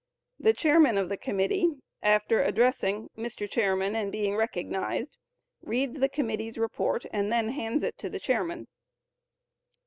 The chairman of the committee, after addressing "Mr. Chairman" and being recognized, reads the committee's report and then hands it to the chairman.